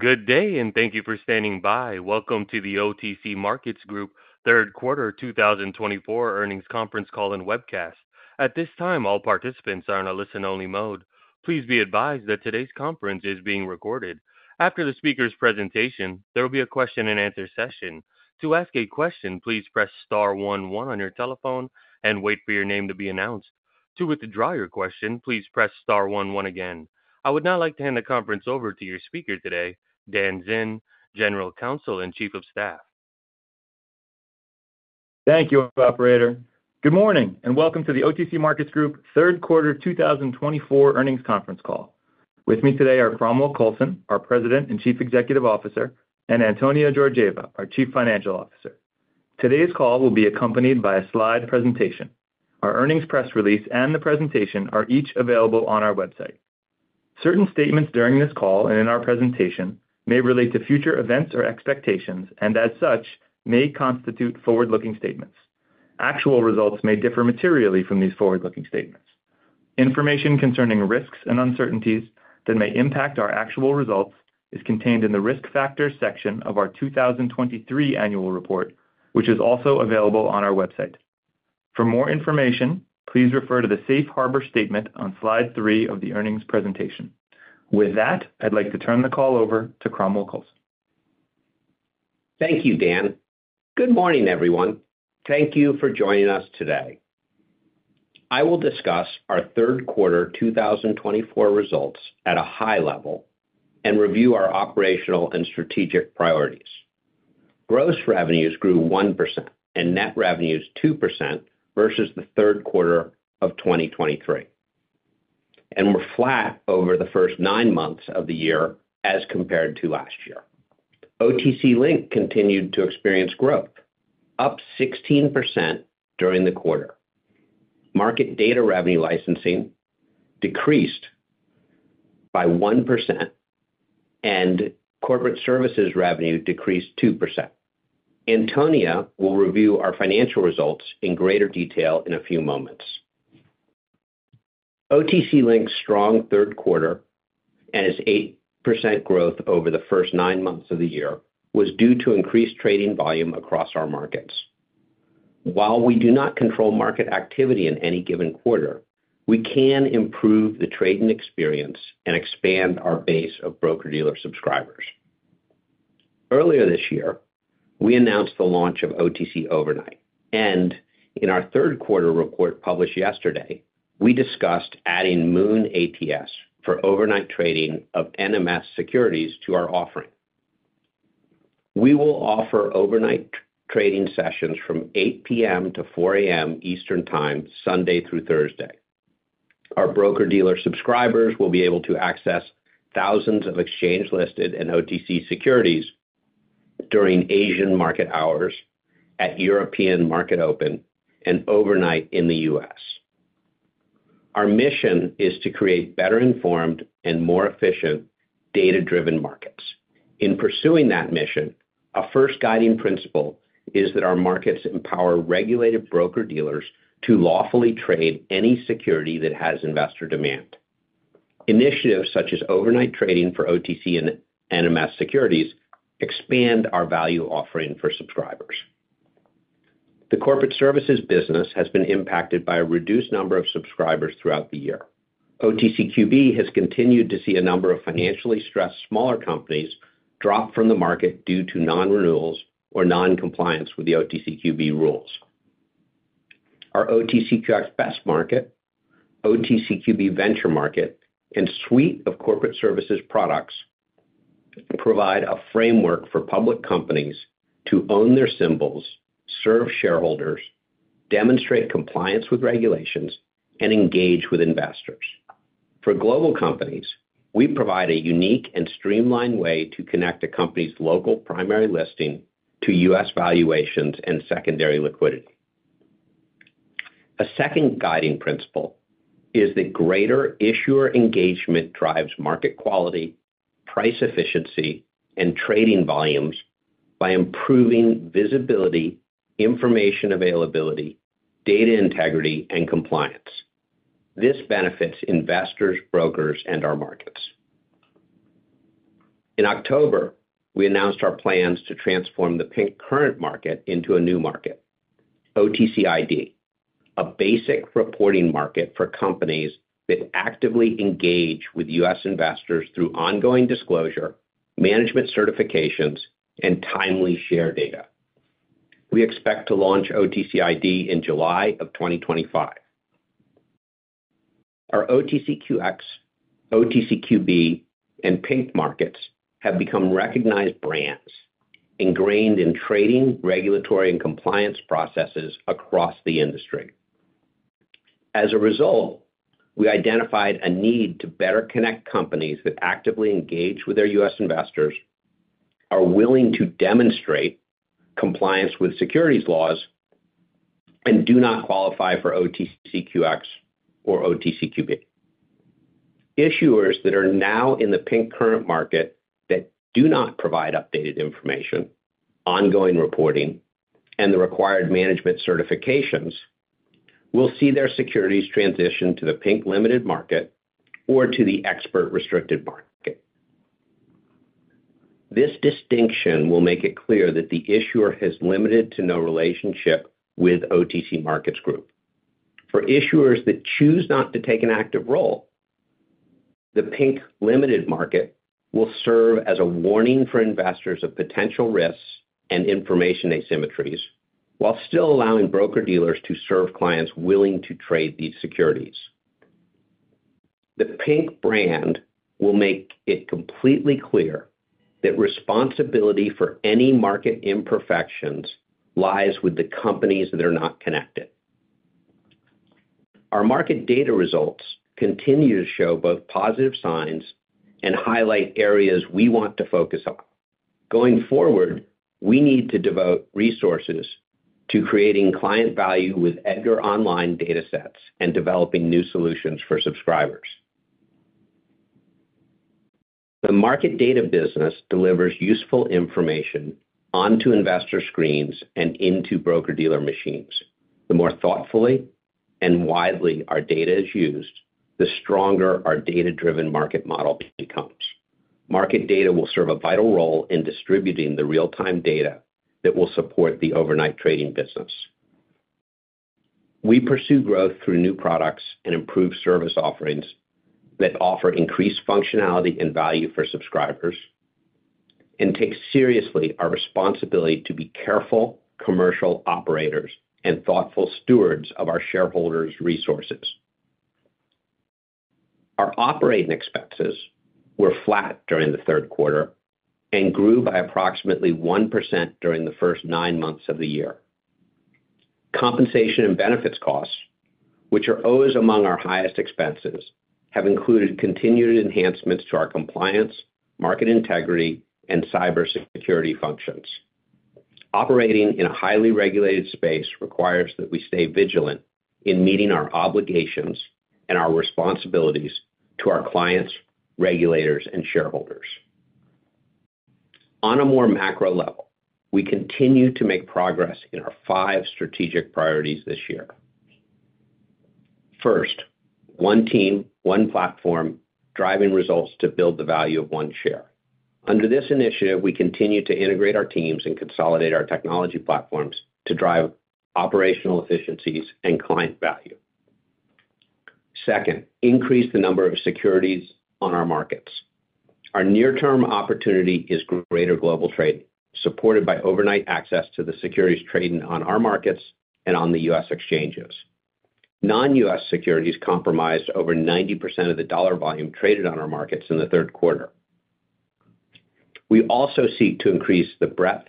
Good day, and thank you for standing by. Welcome to the OTC Markets Group Third Quarter 2024 Earnings Conference Call and Webcast. At this time, all participants are in a listen-only mode. Please be advised that today's conference is being recorded. After the speaker's presentation, there will be a question-and-answer session. To ask a question, please press star one one on your telephone and wait for your name to be announced. To withdraw your question, please press star one one again. I would now like to hand the conference over to your speaker today, Dan Zinn, General Counsel and Chief of Staff. Thank you, Operator. Good morning and welcome to the OTC Markets Group Third Quarter 2024 Earnings Conference Call. With me today are Cromwell Coulson, our President and Chief Executive Officer, and Antonia Georgieva, our Chief Financial Officer. Today's call will be accompanied by a slide presentation. Our earnings press release and the presentation are each available on our website. Certain statements during this call and in our presentation may relate to future events or expectations, and as such, may constitute forward-looking statements. Actual results may differ materially from these forward-looking statements. Information concerning risks and uncertainties that may impact our actual results is contained in the risk factors section of our 2023 annual report, which is also available on our website. For more information, please refer to the safe harbor statement on slide three of the earnings presentation. With that, I'd like to turn the call over to Cromwell Coulson. Thank you, Dan. Good morning, everyone. Thank you for joining us today. I will discuss our third quarter 2024 results at a high level and review our operational and strategic priorities. Gross revenues grew 1% and net revenues 2% versus the third quarter of 2023, and were flat over the first nine months of the year as compared to last year. OTC Link continued to experience growth, up 16% during the quarter. Market data revenue licensing decreased by 1%, and corporate services revenue decreased 2%. Antonia will review our financial results in greater detail in a few moments. OTC Link's strong third quarter and its 8% growth over the first nine months of the year was due to increased trading volume across our markets. While we do not control market activity in any given quarter, we can improve the trading experience and expand our base of broker-dealer subscribers. Earlier this year, we announced the launch of OTC Overnight, and in our third quarter report published yesterday, we discussed adding Moon ATS for overnight trading of NMS securities to our offering. We will offer overnight trading sessions from 8:00 P.M. to 4:00 A.M. Eastern Time Sunday through Thursday. Our broker-dealer subscribers will be able to access thousands of exchange-listed and OTC securities during Asian market hours, at European market open, and overnight in the U.S. Our mission is to create better-informed and more efficient data-driven markets. In pursuing that mission, a first guiding principle is that our markets empower regulated broker-dealers to lawfully trade any security that has investor demand. Initiatives such as overnight trading for OTC and NMS securities expand our value offering for subscribers. The corporate services business has been impacted by a reduced number of subscribers throughout the year. OTCQB has continued to see a number of financially stressed smaller companies drop from the market due to non-renewals or non-compliance with the OTCQB rules. Our OTCQX Best Market, OTCQB Venture Market, and suite of corporate services products provide a framework for public companies to own their symbols, serve shareholders, demonstrate compliance with regulations, and engage with investors. For global companies, we provide a unique and streamlined way to connect a company's local primary listing to U.S. valuations and secondary liquidity. A second guiding principle is that greater issuer engagement drives market quality, price efficiency, and trading volumes by improving visibility, information availability, data integrity, and compliance. This benefits investors, brokers, and our markets. In October, we announced our plans to transform the current market into a new market, OTCID, a basic reporting market for companies that actively engage with U.S. Investors through ongoing disclosure, management certifications, and timely share data. We expect to launch OTCID in July of 2025. Our OTCQX, OTCQB, and Pink Markets have become recognized brands ingrained in trading, regulatory, and compliance processes across the industry. As a result, we identified a need to better connect companies that actively engage with their U.S. investors, are willing to demonstrate compliance with securities laws, and do not qualify for OTCQX or OTCQB. Issuers that are now in the Pink Current market that do not provide updated information, ongoing reporting, and the required management certifications will see their securities transition to the Pink Limited market or to the Expert restricted market. This distinction will make it clear that the issuer has limited to no relationship with OTC Markets Group. For issuers that choose not to take an active role, the Pink Limited market will serve as a warning for investors of potential risks and information asymmetries, while still allowing broker-dealers to serve clients willing to trade these securities. The Pink brand will make it completely clear that responsibility for any market imperfections lies with the companies that are not connected. Our market data results continue to show both positive signs and highlight areas we want to focus on. Going forward, we need to devote resources to creating client value with EDGAR Online data sets and developing new solutions for subscribers. The market data business delivers useful information onto investor screens and into broker-dealer machines. The more thoughtfully and widely our data is used, the stronger our data-driven market model becomes. Market data will serve a vital role in distributing the real-time data that will support the overnight trading business. We pursue growth through new products and improved service offerings that offer increased functionality and value for subscribers and take seriously our responsibility to be careful commercial operators and thoughtful stewards of our shareholders' resources. Our operating expenses were flat during the third quarter and grew by approximately 1% during the first nine months of the year. Compensation and benefits costs, which are always among our highest expenses, have included continued enhancements to our compliance, market integrity, and cybersecurity functions. Operating in a highly regulated space requires that we stay vigilant in meeting our obligations and our responsibilities to our clients, regulators, and shareholders. On a more macro level, we continue to make progress in our five strategic priorities this year. First, one team, one platform, driving results to build the value of one share. Under this initiative, we continue to integrate our teams and consolidate our technology platforms to drive operational efficiencies and client value. Second, increase the number of securities on our markets. Our near-term opportunity is greater global trade, supported by overnight access to the securities traded on our markets and on the U.S. exchanges. Non-U.S. securities comprised over 90% of the dollar volume traded on our markets in the third quarter. We also seek to increase the breadth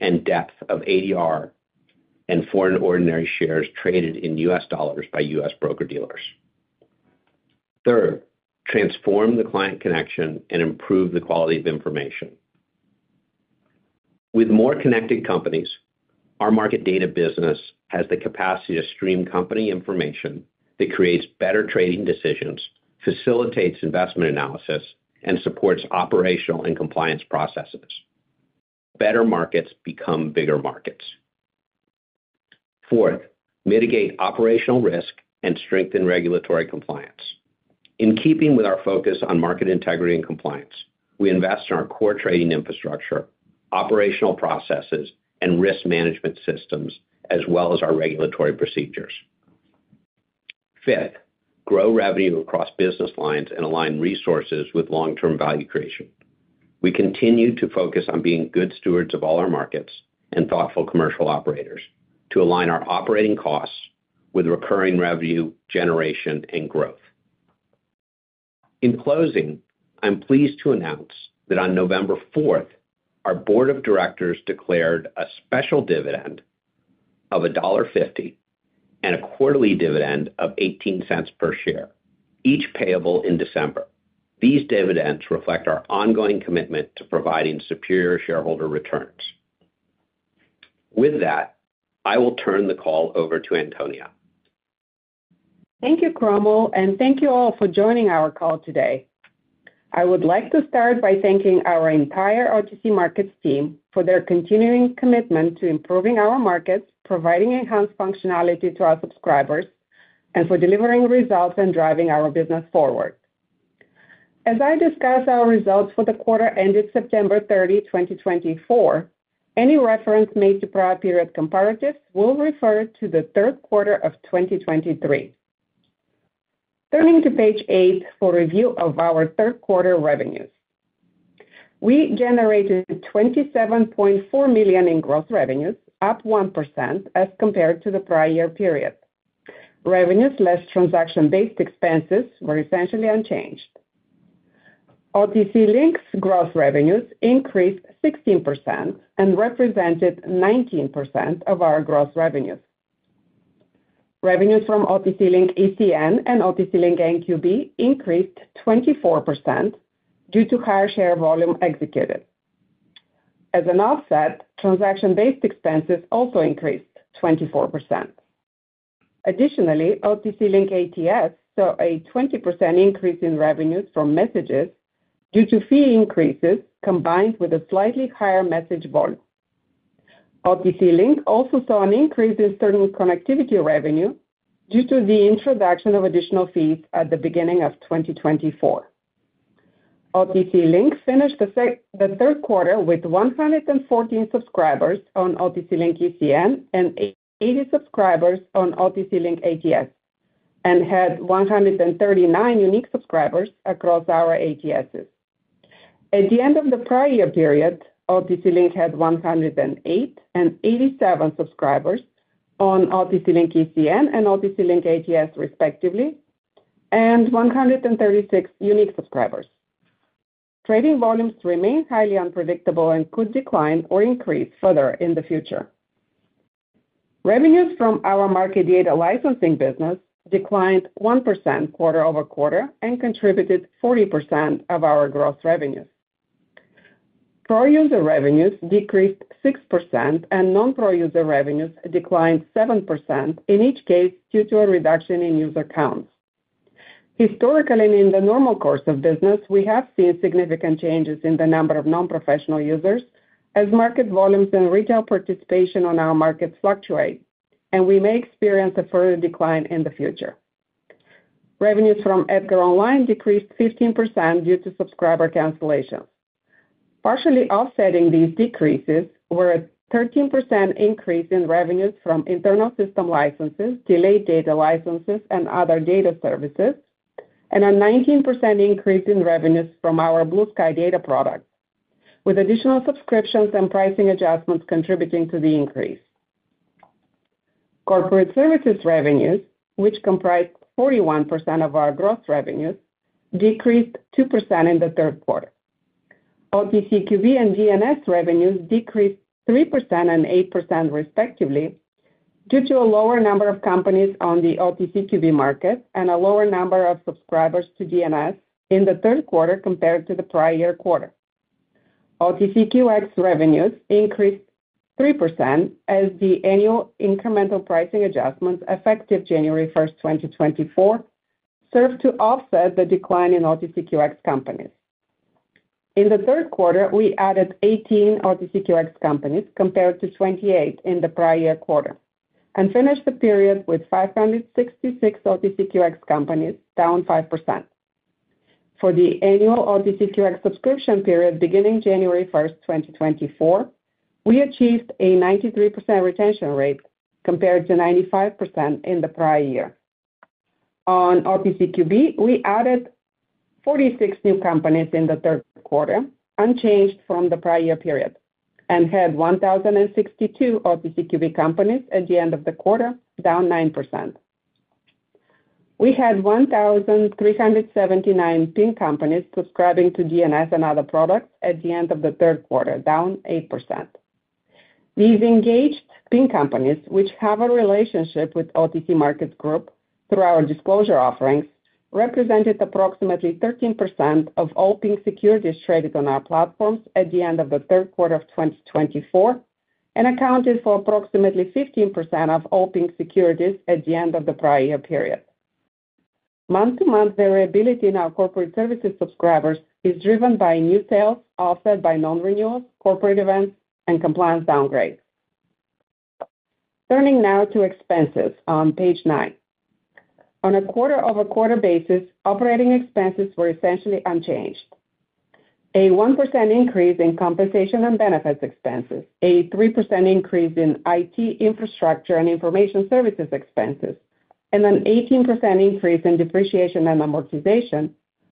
and depth of ADR and foreign ordinary shares traded in U.S. dollars by U.S. broker-dealers. Third, transform the client connection and improve the quality of information. With more connected companies, our market data business has the capacity to stream company information that creates better trading decisions, facilitates investment analysis, and supports operational and compliance processes. Better markets become bigger markets. Fourth, mitigate operational risk and strengthen regulatory compliance. In keeping with our focus on market integrity and compliance, we invest in our core trading infrastructure, operational processes, and risk management systems, as well as our regulatory procedures. Fifth, grow revenue across business lines and align resources with long-term value creation. We continue to focus on being good stewards of all our markets and thoughtful commercial operators to align our operating costs with recurring revenue generation and growth. In closing, I'm pleased to announce that on November 4th, our board of directors declared a special dividend of $1.50 and a quarterly dividend of $0.18 per share, each payable in December. These dividends reflect our ongoing commitment to providing superior shareholder returns. With that, I will turn the call over to Antonia. Thank you, Cromwell, and thank you all for joining our call today. I would like to start by thanking our entire OTC Markets team for their continuing commitment to improving our markets, providing enhanced functionality to our subscribers, and for delivering results and driving our business forward. As I discuss our results for the quarter ended September 30, 2024, any reference made to prior period comparatives will refer to the third quarter of 2023. Turning to page eight for review of our third quarter revenues, we generated $27.4 million in gross revenues, up 1% as compared to the prior year period. Revenues less transaction-based expenses were essentially unchanged. OTC Link's gross revenues increased 16% and represented 19% of our gross revenues. Revenues from OTC Link ECN and OTC Link NQB increased 24% due to higher share volume executed. As an offset, transaction-based expenses also increased 24%. Additionally, OTC Link ATS saw a 20% increase in revenues from messages due to fee increases combined with a slightly higher message volume. OTC Link also saw an increase in certain connectivity revenue due to the introduction of additional fees at the beginning of 2024. OTC Link finished the third quarter with 114 subscribers on OTC Link ECN and 80 subscribers on OTC Link ATS and had 139 unique subscribers across our ATSs. At the end of the prior year period, OTC Link had 108 and 87 subscribers on OTC Link ECN and OTC Link ATS, respectively, and 136 unique subscribers. Trading volumes remain highly unpredictable and could decline or increase further in the future. Revenues from our market data licensing business declined 1% quarter over quarter and contributed 40% of our gross revenues. Pro user revenues decreased 6% and non-pro user revenues declined 7%, in each case due to a reduction in user counts. Historically, in the normal course of business, we have seen significant changes in the number of non-professional users as market volumes and retail participation on our markets fluctuate, and we may experience a further decline in the future. Revenues from EDGAR Online decreased 15% due to subscriber cancellations. Partially offsetting these decreases were a 13% increase in revenues from internal system licenses, delayed data licenses, and other data services, and a 19% increase in revenues from our Blue Sky Data products, with additional subscriptions and pricing adjustments contributing to the increase. Corporate services revenues, which comprise 41% of our gross revenues, decreased 2% in the third quarter. OTCQB and DNS revenues decreased 3% and 8%, respectively, due to a lower number of companies on the OTCQB market and a lower number of subscribers to DNS in the third quarter compared to the prior year quarter. OTCQX revenues increased 3% as the annual incremental pricing adjustments effective January 1, 2024, served to offset the decline in OTCQX companies. In the third quarter, we added 18 OTCQX companies compared to 28 in the prior year quarter and finished the period with 566 OTCQX companies, down 5%. For the annual OTCQX subscription period beginning January 1, 2024, we achieved a 93% retention rate compared to 95% in the prior year. On OTCQB, we added 46 new companies in the third quarter, unchanged from the prior year period, and had 1,062 OTCQB companies at the end of the quarter, down 9%. We had 1,379 Pink companies subscribing to DNS and other products at the end of the third quarter, down 8%. These engaged Pink companies, which have a relationship with OTC Markets Group through our disclosure offerings, represented approximately 13% of all Pink securities traded on our platforms at the end of the third quarter of 2024 and accounted for approximately 15% of all Pink securities at the end of the prior year period. Month-to-month variability in our corporate services subscribers is driven by new sales, offset by non-renewals, corporate events, and compliance downgrades. Turning now to expenses on page nine. On a quarter-over-quarter basis, operating expenses were essentially unchanged. A 1% increase in compensation and benefits expenses, a 3% increase in IT infrastructure and information services expenses, and an 18% increase in depreciation and amortization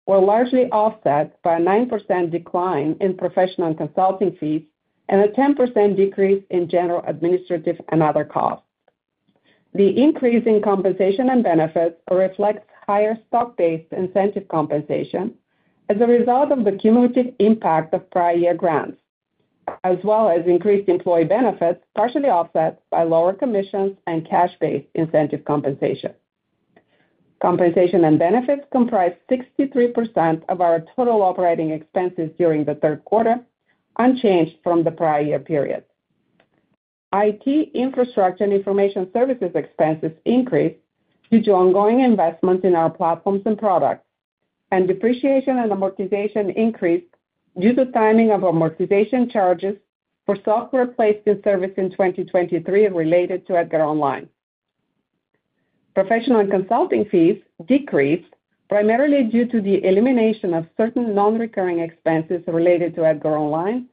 were largely offset by a 9% decline in professional and consulting fees and a 10% decrease in general administrative and other costs. The increase in compensation and benefits reflects higher stock-based incentive compensation as a result of the cumulative impact of prior year grants, as well as increased employee benefits partially offset by lower commissions and cash-based incentive compensation. Compensation and benefits comprised 63% of our total operating expenses during the third quarter, unchanged from the prior year period. IT infrastructure and information services expenses increased due to ongoing investments in our platforms and products, and depreciation and amortization increased due to timing of amortization charges for software placed in service in 2023 related to EDGAR Online. Professional and consulting fees decreased primarily due to the elimination of certain non-recurring expenses related to EDGAR Online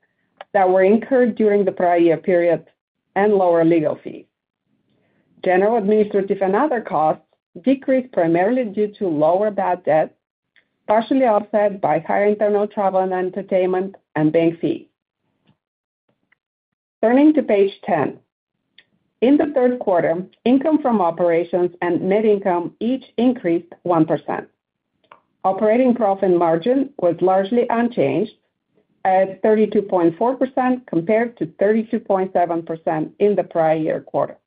that were incurred during the prior year period and lower legal fees. General administrative and other costs decreased primarily due to lower bad debt, partially offset by higher internal travel and entertainment, and bank fees. Turning to page 10. In the third quarter, income from operations and net income each increased 1%. Operating profit margin was largely unchanged at 32.4% compared to 32.7% in the prior year quarter.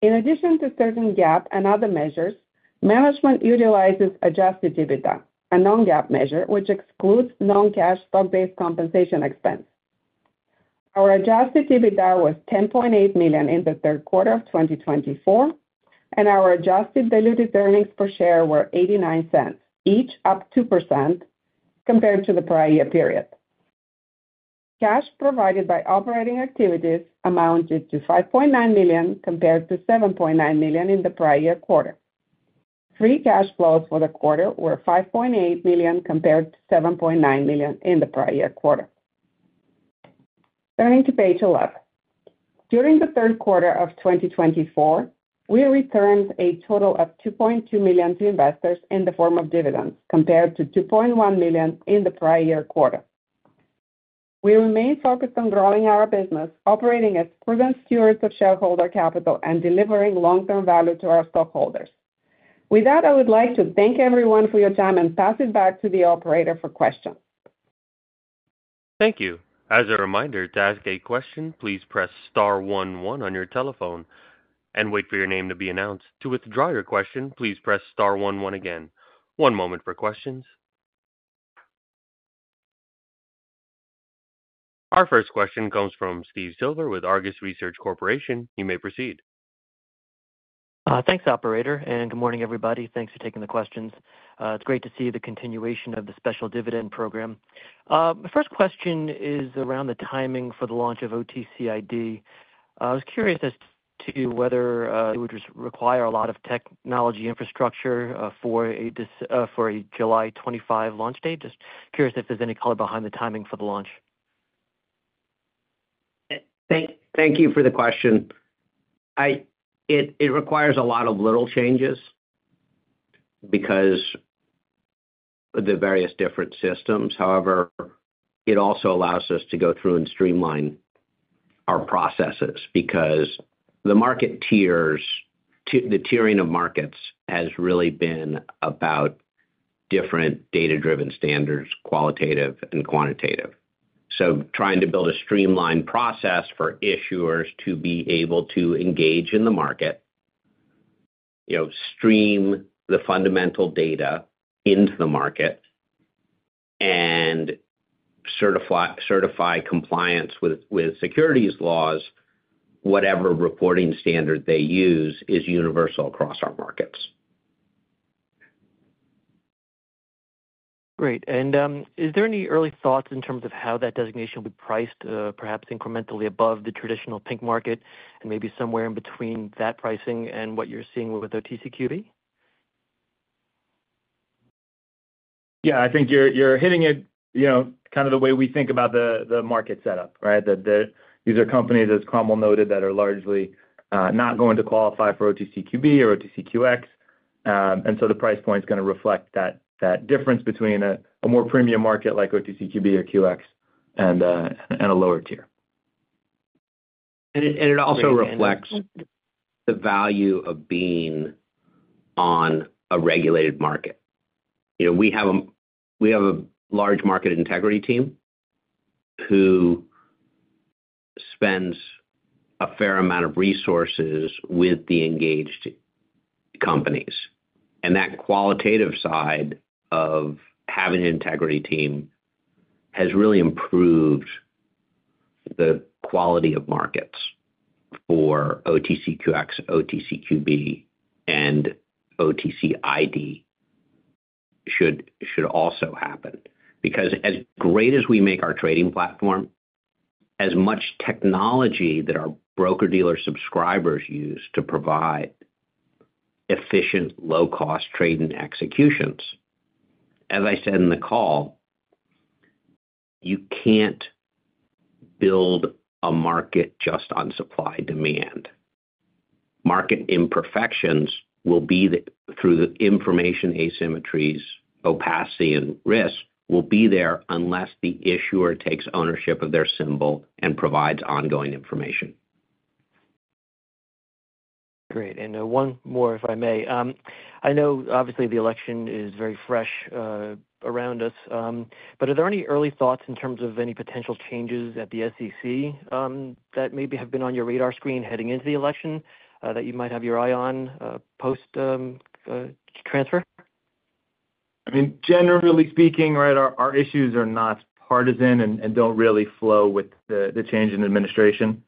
In addition to certain GAAP and other measures, management utilizes adjusted EBITDA, a non-GAAP measure which excludes non-cash stock-based compensation expense. Our adjusted EBITDA was $10.8 million in the third quarter of 2024, and our adjusted diluted earnings per share were $0.89, each up 2% compared to the prior year period. Cash provided by operating activities amounted to $5.9 million compared to $7.9 million in the prior year quarter. Free cash flows for the quarter were $5.8 million compared to $7.9 million in the prior year quarter. Turning to page 11. During the third quarter of 2024, we returned a total of $2.2 million to investors in the form of dividends compared to $2.1 million in the prior year quarter. We remain focused on growing our business, operating as proven stewards of shareholder capital, and delivering long-term value to our stockholders. With that, I would like to thank everyone for your time and pass it back to the operator for questions. Thank you. As a reminder, to ask a question, please press star one one on your telephone and wait for your name to be announced. To withdraw your question, please press star one one again. One moment for questions. Our first question comes from Steve Silver with Argus Research Corporation. You may proceed. Thanks, operator. And good morning, everybody. Thanks for taking the questions. It's great to see the continuation of the special dividend program. My first question is around the timing for the launch of OTCID. I was curious as to whether it would require a lot of technology infrastructure for a July 2025 launch date. Just curious if there's any color behind the timing for the launch. Thank you for the question. It requires a lot of little changes because of the various different systems. However, it also allows us to go through and streamline our processes because the market tiers, the tiering of markets, has really been about different data-driven standards, qualitative and quantitative. So trying to build a streamlined process for issuers to be able to engage in the market, stream the fundamental data into the market, and certify compliance with securities laws, whatever reporting standard they use, is universal across our markets. Great. And is there any early thoughts in terms of how that designation will be priced, perhaps incrementally above the traditional Pink market and maybe somewhere in between that pricing and what you're seeing with OTCQB? Yeah, I think you're hitting it kind of the way we think about the market setup, right? These are companies, as Cromwell noted, that are largely not going to qualify for OTCQB or OTCQX. And so the price point is going to reflect that difference between a more premium market like OTCQB or QX and a lower tier. And it also reflects the value of being on a regulated market. We have a large market integrity team who spends a fair amount of resources with the engaged companies. And that qualitative side of having an integrity team has really improved the quality of markets for OTCQX, OTCQB, and OTCID should also happen. Because as great as we make our trading platform, as much technology that our broker-dealer subscribers use to provide efficient, low-cost trading executions, as I said in the call, you can't build a market just on supply-demand. Market imperfections will be through the information asymmetries, opacity, and risk will be there unless the issuer takes ownership of their symbol and provides ongoing information. Great. And one more, if I may. I know, obviously, the election is very fresh around us. But are there any early thoughts in terms of any potential changes at the SEC that maybe have been on your radar screen heading into the election that you might have your eye on post-transfer? I mean, generally speaking, right, our issues are not partisan and don't really flow with the change in administration.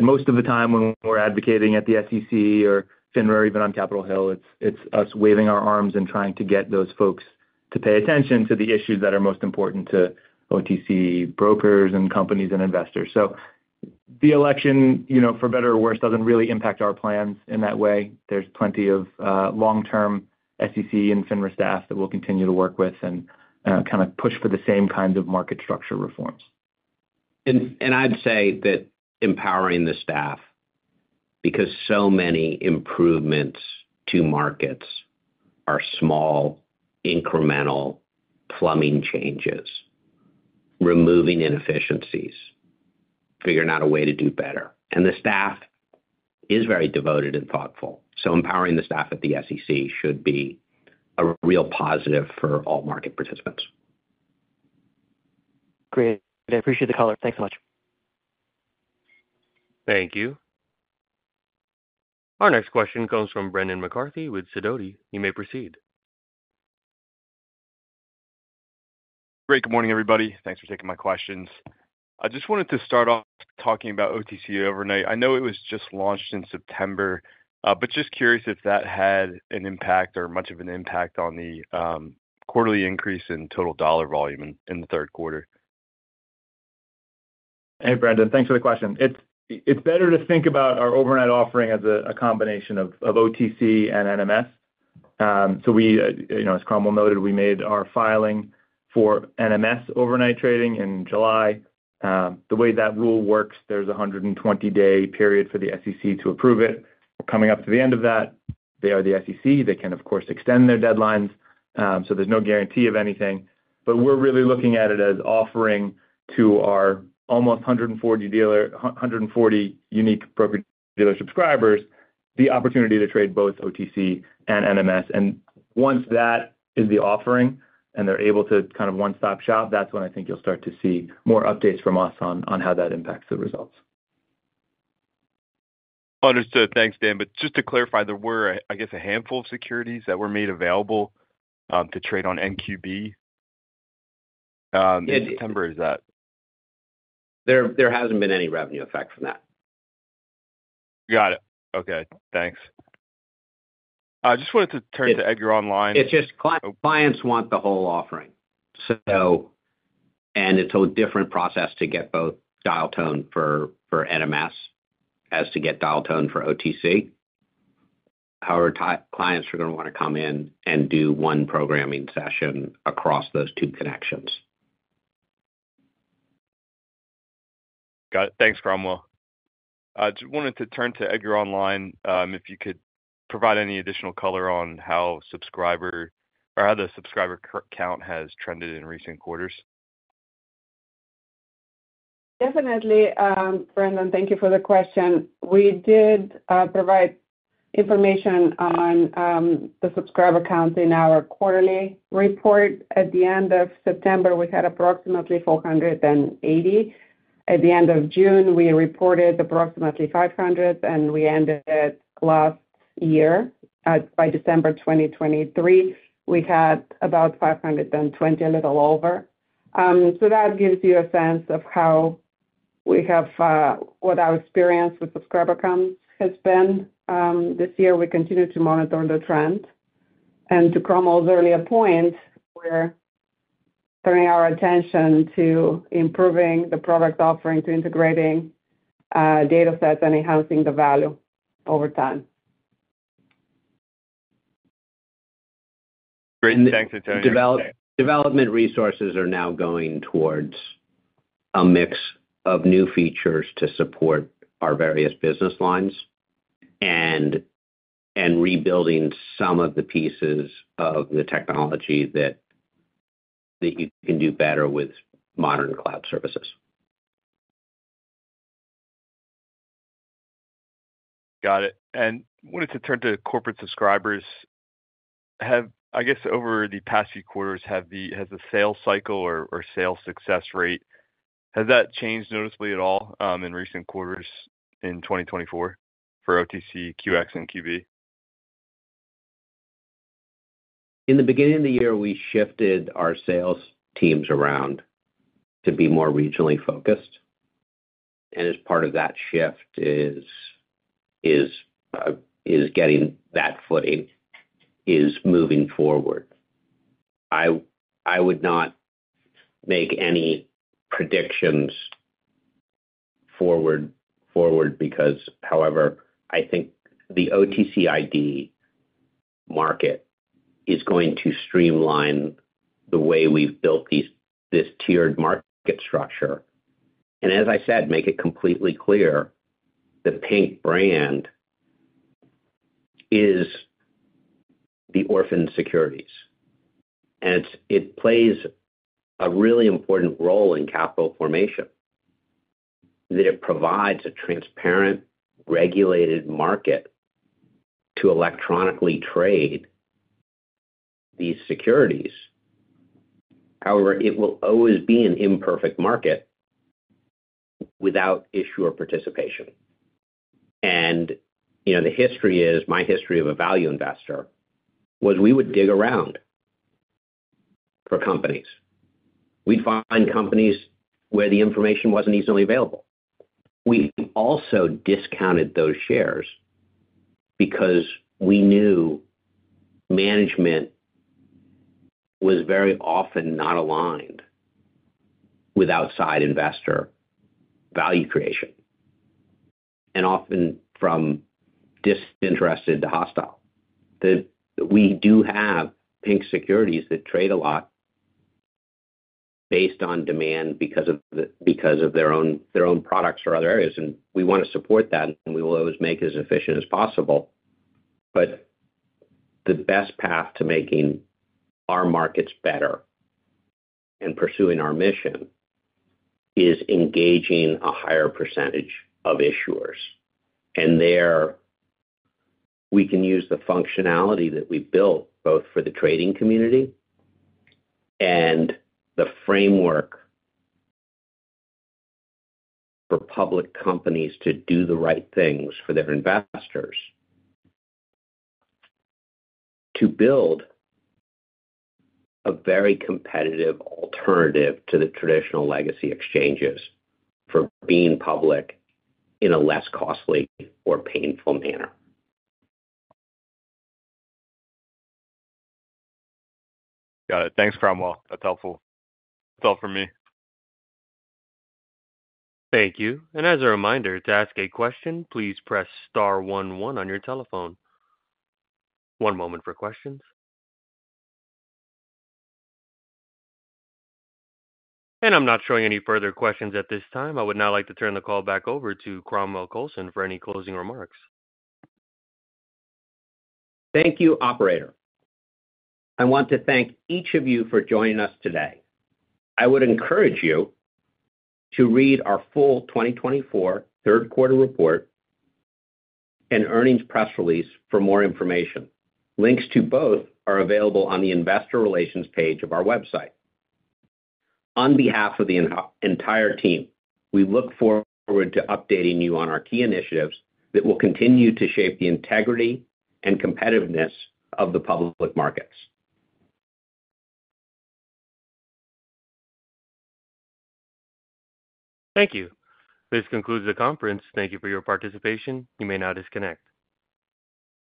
Most of the time when we're advocating at the SEC or FINRA, or even on Capitol Hill, it's us waving our arms and trying to get those folks to pay attention to the issues that are most important to OTC brokers and companies and investors. So the election, for better or worse, doesn't really impact our plans in that way. There's plenty of long-term SEC and FINRA staff that we'll continue to work with and kind of push for the same kinds of market structure reforms. And I'd say that empowering the staff, because so many improvements to markets are small, incremental plumbing changes, removing inefficiencies, figuring out a way to do better. And the staff is very devoted and thoughtful. So empowering the staff at the SEC should be a real positive for all market participants. Great. I appreciate the color. Thanks so much. Thank you. Our next question comes from Brendan McCarthy with Sidoti. You may proceed. Great. Good morning, everybody. Thanks for taking my questions. I just wanted to start off talking about OTC Overnight. I know it was just launched in September, but just curious if that had an impact or much of an impact on the quarterly increase in total dollar volume in the third quarter? Hey, Brendan. Thanks for the question. It's better to think about our overnight offering as a combination of OTC and NMS. So as Cromwell noted, we made our filing for NMS overnight trading in July. The way that rule works, there's a 120-day period for the SEC to approve it. We're coming up to the end of that. They are the SEC. They can, of course, extend their deadlines. So there's no guarantee of anything. But we're really looking at it as offering to our almost 140 unique broker-dealer subscribers the opportunity to trade both OTC and NMS. And once that is the offering and they're able to kind of one-stop shop, that's when I think you'll start to see more updates from us on how that impacts the results. Understood. Thanks, Dan. But just to clarify, there were, I guess, a handful of securities that were made available to trade on NQB in September, is that? There hasn't been any revenue effect from that. Got it. Okay. Thanks. I just wanted to turn to EDGAR Online. It's just clients want the whole offering, and it's a different process to get both dial tone for NMS as to get dial tone for OTC. However, clients are going to want to come in and do one programming session across those two connections. Got it. Thanks, Cromwell. I just wanted to turn to EDGAR Online. If you could provide any additional color on how the subscriber count has trended in recent quarters. Definitely, Brendan. Thank you for the question. We did provide information on the subscriber count in our quarterly report. At the end of September, we had approximately 480. At the end of June, we reported approximately 500, and we ended last year. By December 2023, we had about 520, a little over. So that gives you a sense of how we have what our experience with subscriber counts has been this year. We continue to monitor the trend. And to Cromwell's earlier point, we're turning our attention to improving the product offering to integrating data sets and enhancing the value over time. Thanks, Antonia. Development resources are now going towards a mix of new features to support our various business lines and rebuilding some of the pieces of the technology that you can do better with modern cloud services. Got it. And I wanted to turn to corporate subscribers. I guess over the past few quarters, has the sales cycle or sales success rate, has that changed noticeably at all in recent quarters in 2024 for OTCQX and QB? In the beginning of the year, we shifted our sales teams around to be more regionally focused, and as part of that shift is getting that footing is moving forward. I would not make any predictions forward because, however, I think the OTCID market is going to streamline the way we've built this tiered market structure, and as I said, make it completely clear, the Pink brand is the orphaned securities, and it plays a really important role in capital formation that it provides a transparent, regulated market to electronically trade these securities. However, it will always be an imperfect market without issuer participation, and the history is, my history of a value investor was we would dig around for companies. We'd find companies where the information wasn't easily available. We also discounted those shares because we knew management was very often not aligned with outside investor value creation, and often from disinterested to hostile. We do have Pink securities that trade a lot based on demand because of their own products or other areas, and we want to support that, and we will always make it as efficient as possible, but the best path to making our markets better and pursuing our mission is engaging a higher percentage of issuers, and there, we can use the functionality that we built both for the trading community and the framework for public companies to do the right things for their investors to build a very competitive alternative to the traditional legacy exchanges for being public in a less costly or painful manner. Got it. Thanks, Cromwell. That's helpful. That's all for me. Thank you. And as a reminder, to ask a question, please press star one one on your telephone. One moment for questions. And I'm not showing any further questions at this time. I would now like to turn the call back over to Cromwell Coulson for any closing remarks. Thank you, operator. I want to thank each of you for joining us today. I would encourage you to read our full 2024 third-quarter report and earnings press release for more information. Links to both are available on the investor relations page of our website. On behalf of the entire team, we look forward to updating you on our key initiatives that will continue to shape the integrity and competitiveness of the public markets. Thank you. This concludes the conference. Thank you for your participation. You may now disconnect.